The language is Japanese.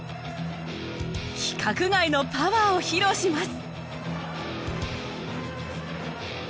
規格外のパワーを披露します。